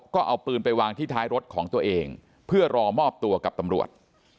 ก็เอาปืนไปวางที่ท้ายรถของตัวเองเพื่อรอมอบตัวกับตำรวจ